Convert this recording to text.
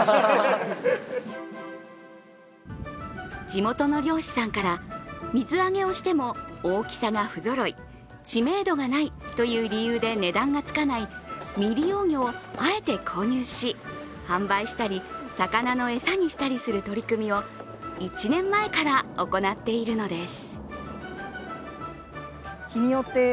地元の漁師さんから水揚げをしても大きさが不ぞろい、知名度がないという理由で値段がつかない未利用魚をあえて購入し販売したり、魚の餌にしたりする取り組みを１年前から行っているのです。